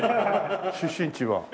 出身地は。